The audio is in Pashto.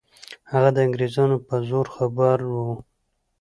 هغه د انګریزانو په زور خبر وو.